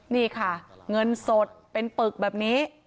นี่ค่ะเงินสดเป็นปึกแบบนี้